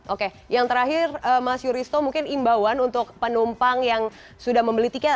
oke yang terakhir mas yuristo mungkin imbauan untuk penumpang yang sudah membeli tiket